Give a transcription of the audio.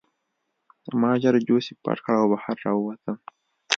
ما ژر جوزف پټ کړ او بهر راووتم